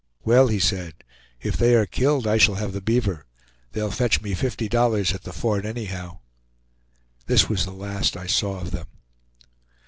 "Well," he said, "if they are killed, I shall have the beaver. They'll fetch me fifty dollars at the fort, anyhow." This was the last I saw of them.